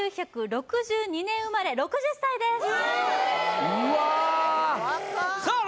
１９６２年生まれ６０歳ですうわさあ